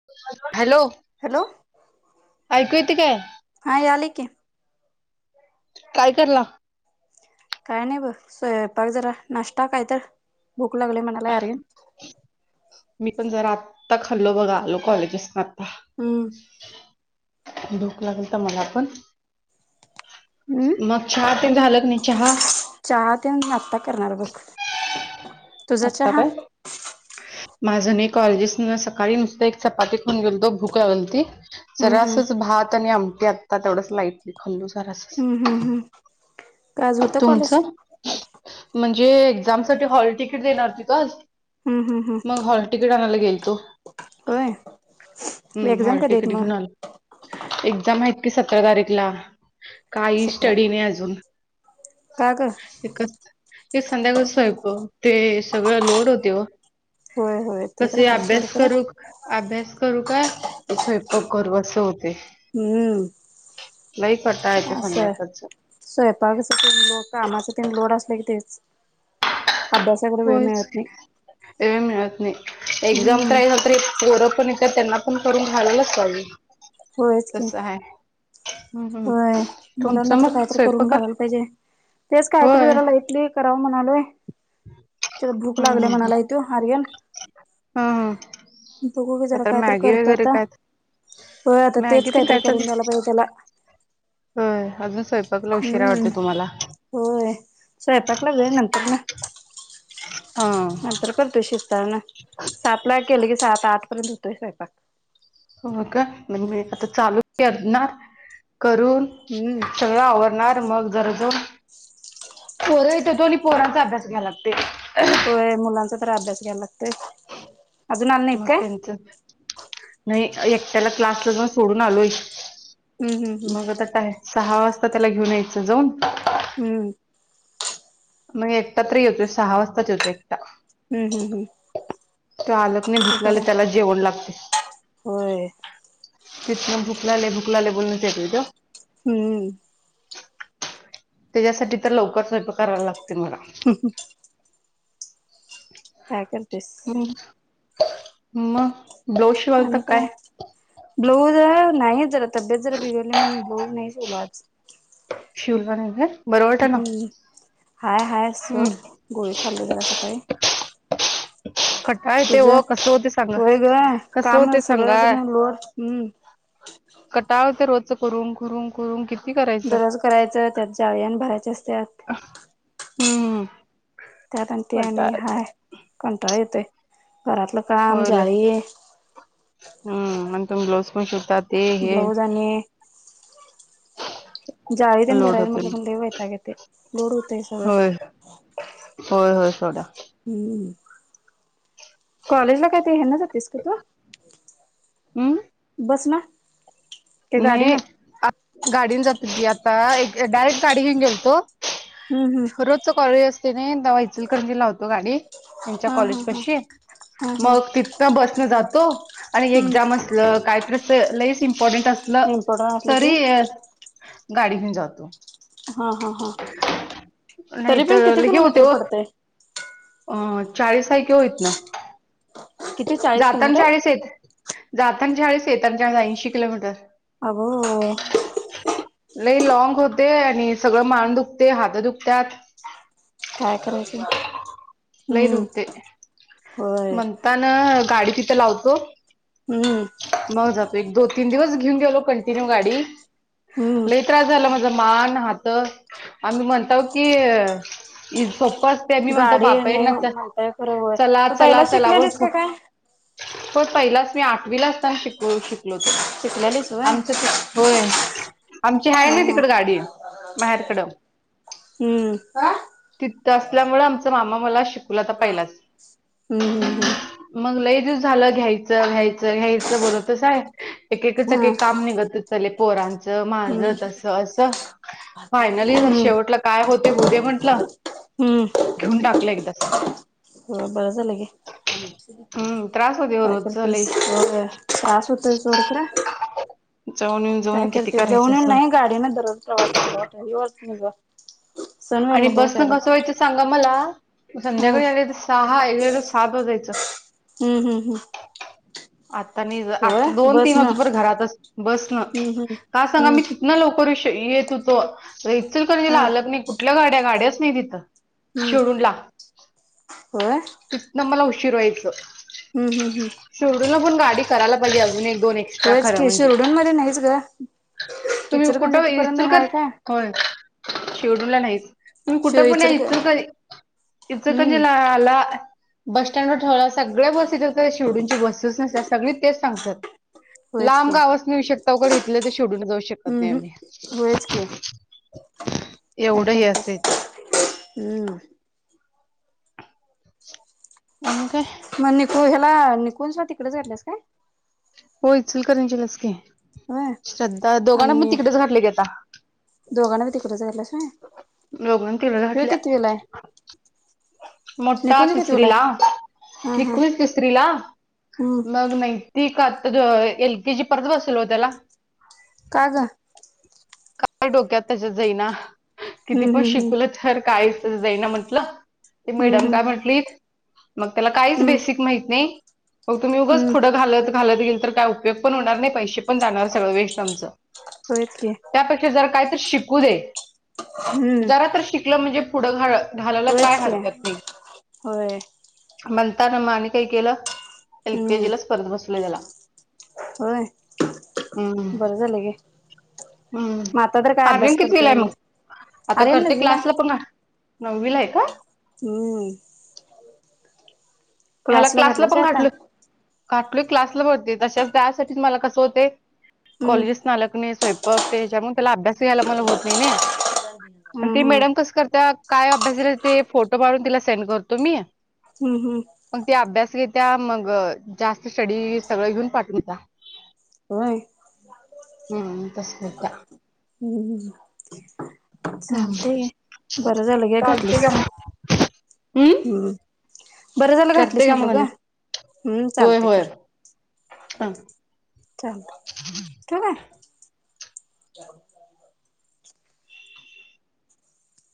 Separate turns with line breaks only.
[unintelligible] Hello,
hello
ऐकू येत काय?
हा, याले की.
काय, करलाव?
काय नाही बघ. स्वयंपाक जरा. नाष्टा काय तर. भूक लागली म्हणायला आर्यन.
मी पण जरा आत्ता खाल्लो बघा. लो कॉलेजसन आत्ता.
हम्म.
भुक लागलता मला पण.
हम्म
मग चहा ते झालं, का नाही? चहा.
चहा तेन आता करणार बघ. तुझा
आत्ता
चहा.
काय माझं नाही. कॉलेजेसन सकाळी नुसतं, एक चपाती खाऊन गेलतो. भूक लागलती.
हम्म
जरा
हम्म
असचं, भात आणि आमटी आत्ता. तेवढंच लाईट खाल्लं जरासंच.
हम्म हम्म हम्म काय आज होतं कॉलेज
तुमचं? म्हणजे एक्झामसाठी, हॉलतिकीट देणार होती का? आज.
हम्, हम्.
मग हॉल तिकीट आणायला गेलतो.
होय
हम्,
एक्झाम
हॉल
कधी आहेत
तिकीट
मग
घेऊन आलो. एक्झाम हाईत कि, सतरा तारीखला. काही
सतरा
स्टडी नाही अजून.
का, गं.
[unintelligible] ते संध्याकाळचं स्वयंपाक. ते सगळं लोड होते ओ.
होय होय ते
कस,
तर
हे
हाय सोड
अभ्यास
खरं
करू क अभ्यास करू? का, स्वयंपाक करू? असं होते.
हम्म
लई कटाळा येत संध्याकाळचं.
स्वयंपाक असं [unintelligible] कामाच तेन लोड असल कि तेच अभ्यास.
होयच ते मिळत नाही एक्झाम
हम्म
[unintelligible] पोर पण. त्यात त्यांना पण करून घालायलाच लावीन.
हो हेतचकी.
हम्म हम्म
होय मुलाना
तुमचं
तर
मग
काहीतरी करून
स्वयंपाक
घालायला पाहिजे, तेच काहीतरी
होय
जरा
हम्म
लाइटली कराव म्हणालोय तर भूक लागली म्हणालाय त्यो आर्यन.
हं हं!
बघू ग जरा काय तर करतो आता. हो आता तेच
मॅगी ते
कायतरी
काय चालू
करून दयायला पाहिजे त्याला.
होय अजून स्वयंपाकला उशीरा
हम्म
होते तुम्हाला.
होय स्वयंपाकला वेळ नंतर
हा!
नंतर करतोय शेतताना सातला केले की सात आठ पर्यंत होतोय स्वयंपाक-
हो का म्हणजे आता चालू करणार करून.
हू!
सगळ आवरणार मग जरजो. पोर हेत दोनी पोरांचा अभ्यास घ्या लागतय.
व्हयं मुलांचा तर अभ्यास घ्यायला लागतय.
मग त्यांच नही एकट्याला क्लासला जाऊन सोडून आलोय.
हम्म हम्म
मग आता काय सहा वाजता त्याला घेऊन यायचं जाऊन.
हू!
म एकटा तरी येतो सहा वाजताच येतो एकटा.
हूं हूं हूं!
त्यो आलत नही भुकलागली त्याला जेवण लागतय.
होय
तिथन भुकलाले भुकलाले बोलूनच येतोय त्यो.
हूं!
त्याच्यासाठी तर लवकर स्वयंपाक करायला लागते मला.
[inaudible] काय करतेस.
हूं मं!
आणि काय ब्लऊज नाही जरा तब्येत जरा बिघली मग. म्हणून नाही शिवलं आज.
शिवलं नाही व्हयं.
हूं हाय हाय
हम्म
सोड गोळी खाल्लो जरा सकाळी.
[inaudible] कटाळा येतेय
तुझं
हो कसं होते सांगा,
होय ग
कसं
काम
होते सांगा.
सगळंच मग लोड हम्म
कटाळते रोजच करून करून. करून किती करा
दररोज करायच त्यात जाळी यान भरायचे असत्यात.
हूं!
त्यात आन ते आणि हाय कंटाळा येतोय, घरातलं काम जाळी.
ह आणि तुम्ही ब्लाऊज पन शिवतात.
ब्लाऊज आने जाळी तेन
लोड
भराय
होते
म्हटल पन लयी वैताग येतंय लोड होतय सगळं.
होय होय होय सोडा.
हूं! कॉलेज ला काय ते हेना जातेस का तू?
हम्म
बस ना? ते गाडी
नाही
ना
गाडीन जात की आता एक डायरेक्ट गाडी घेऊन गेलतो.
हम्म, हम्म.
रोजच कॉलेज असते नाही द व्हाचल करजी लावतो गाडी. त्यांच्या
हा हा
कॉलेज
हा
पाशी
हा हा
मग तिथनं बसन जातो आणि
हम्म
एक्झाम अस काहीत लईस इम्पॉर्टंट असलं
इम्पॉर्टंट असले की
तरी गाडीनी जातो.
हा हा. हा
नाही
तरी पण
तर
किती
लि हे होते
किलोमीटर
व
पडतय
अ चाळीस हाय की होईय इथनं.
किती चाळीस
जाताना
किलोमीटर
चाळीस, येतना चाळीस येत ऐंशी किलोमीटर
अग..
लई लॉंग होते आणि सगळं मान दुखते, हात दुखतात
काय करायचं?
लई
हम्म
देऊते
होय
म्हणता ना गाडी तिथं लावतो.
हम्म
मग जातो एक, दोन, तीन दिवस घेऊन गेलो कंटिन्यू गाडीट
हम्म
लय त्रास झाला माझ मान, हात आम्ही म्हणतो की सोप ते मी म्हणतो
गाडी
बाप
नाही
येईना त्यात
म्हणताय खरं होय
चला,
तू पहिला
चला चलावर
शिकलेलीस का काय
पण पहिलाच मी आठवीला असताना शिक, शिकलोतो.
शिकलेलीस होय
आमचं ते होय आमची आहे
हा
ना
हा
तिकड गाडी माहेर कड.
हम्म
तिथ असल्यामुळे आमचा मामा मला शिकूलाता पहिलाच.
हम्म, हम्म, हम्म.
मग लैय दिस झालं घ्यायचं, घ्यायचं, घ्यायचं बोलतस आहे एककाचं काही
हम्म हा
काम निघत चले पोरांचं, माझं,
हम्म
तस, अस फायनली
हम्म
शेवटला काय होते होछ दे म्हंटलं.
हम्म.
घेऊन टाकलं एकदाच.
हो बरं झालं की,
हम्म त्रास होते हो
काय
रोजचा
करतेस?
लई
त्रास होतोय सोडखरा
जाऊन येऊन
काय
जाऊन किती
करते
करायचं
जऊन
असं
नाही? गाडीं दररोज प्रवास चांगला वाटला निघ
आणि बसन कसं व्हायचं सांगा मला?
हम्म
संध्याकाळी आले तर सहा एकीकड सात वाजायचं.
हम्म, हम्म, हम्म.
आता, नाही
होय
आता दोन,
बस
तीन
ना
वाजे पर्यंत घरातच बसन
हम्म हम्म
का सांगा
हम्म
मी ना लवकर येतु तो इचल कर तिला
हा
आलग नाही कुठल्या गाड्या, गाड्याच नाही तिथं.
हम्म
शोरुम ला
होय
तिथन मला उशीर व्हायच.
हम्म, हम्म, हम्म.
चुडूला पण गाडी करायला पाहिज अजून ही. दोन एक्स्ट्रा
होयच
खर
की
म्हणजे,
शिरडून मध्ये नाहीच ग
तुम्ही कुठ
इचलकरंजी पर्यंत हाय काय
होय शेवडूला नाहीत. तुम्ही कुठं
शि
पण
इचलक
यायच तरी इचकधी
हम्म
लडा आला बस स्टँडवर ठेवल सगळ्या बसेस अस शेवडूूनची बसे असत सगळी तेच सांगतात.
होयच की
लांब गावस नाहीऊ शकता अघ घेतले तर शोडून जाऊ शकत
हम्म
नाही आम्ही.
हम्म होयच की काय
एवढं हे
करते
असते इथ.
हम्म.
आणि काय?
मग निकू ह्याला निकूलचा तिकडे झाल्यास काय?
हो इचल करंचीलाच की
होय
श्रद्धा दोघांना मग
आणि
तिकडेच घातले गेता.
दोघांना बी तिकडं झाल्यास
दोघांना तिकडे
वय हे
घातल्या
कितीविला आहे?
मोठा
निकुंज
तिसरी
कितवीला
ला
आहे? हा हा
विकू आहे तिसरी ला
हम्म
मग नाही. ती का आता तो एल के जी परत बसलोय हो त्याला.
का गं
काय डोक्यात त्याच्यात जाईना किती
हम्म
पण
हम्म
शिकवलं थर कायच जाई ना म्हंटलं ते
हम्म
मॅडम
हम्म
काय म्हंटली मग त्याला काहीच
हम्म
बेसिक माहीत नाही मग तुम्ही
हम्म
उगंच
हम्म
पुढं घालत-घालत गेल तर काय उपयोग पण होणार नाही पैशे पण जाणार सगळं वेस्ट आमचं.
होयत की.
त्यापेक्षा जर काय तर शिकू दे
हम्म
जरा तर शिकलं म्हणजे पुढं घा घालायला काय
होयच की
हरकत नाही.
होय
म्हणतना म आणि काही केलं एल
हम्म
केजी ला स्पर्ध बसलोय त्याला.
होय
हम्म
बरं झालं गे.
हम्म
मग आता तर काय अभ्यास
आर्यन
करतोय
कितविला
का
आहे
नाही?
मग आता
अरे
करते
नववीला
क्लासला
आहे.
पुन्हा. नववीला आहे का?
हम्म.
ह्याला क्लासला
घातलास
पण
व्हय आता?
घाठलं. काकली क्लासला भरते तशच त्यासाठीच मला कसं होते
हम्म
कॉलेजेस सालक नाही स्वयंपाक तेच्यामुळे त्याला अभ्यास घ्यायला मला होत नाही नाही. आणि
हम्म
ते
हम्म
मॅडम कसं करते काय अभ्यास दिला ते फोटो मारून तिला सेंड करतो मी.
हम्म हम्म.
मग ते अभ्यास घेत्या मग जास्त स्टडी सगळं घेऊन पाठवून देता.
होय.
हम्म हम्म तसं होता.
हम्म हम्म
हम्म
चालतय की बरं झालं गे
चालते
घातलीस.
का मग
हम्म बरं झालं
करते
घातलंस
का मग
म्हटलं
आणि
गं.
होय होय हा.
चाल ठेवू काय? [unintelligible]